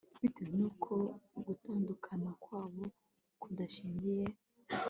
bitewe n'uko gutandukana kwabo kutashingiye